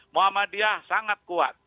muhammadiyah sangat kuat